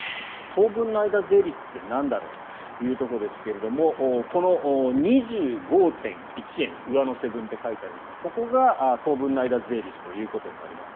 当分の間税率ってなんだろうというところですがこの２５．１円上乗せ分と書いてありますがここが当分の間税率ということになります。